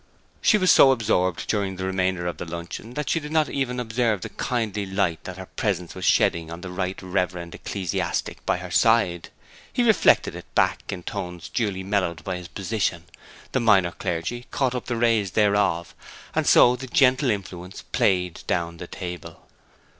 She was so absorbed during the remainder of the luncheon that she did not even observe the kindly light that her presence was shedding on the right reverend ecclesiastic by her side. He reflected it back in tones duly mellowed by his position; the minor clergy caught up the rays thereof, and so the gentle influence played down the table.